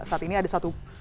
saat ini ada satu